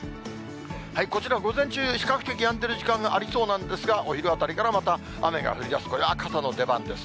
こちら午前中、比較的やんでる時間帯ありそうなんですが、お昼あたりからまた雨が降りだす、これは傘の出番です。